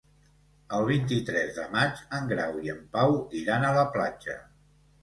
El vint-i-tres de maig en Grau i en Pau iran a la platja.